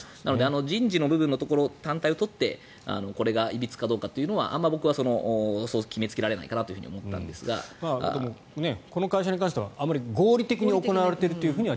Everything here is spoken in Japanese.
人事の部分のところ単体を取ってこれがいびつかというのはあまり僕は決めつけられないかなとこの会社に関してはあまり合理的に行われてルトは。